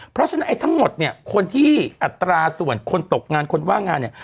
เพราะฉะนั้นไอ้ทั้งหมดเนี่ยคนที่อัตราส่วนคนตกงานคนว่างงานเนี่ย